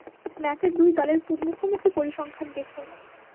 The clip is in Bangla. ম্যাচে দুই দলের মুখোমুখি পরিসংখ্যান দেখুন।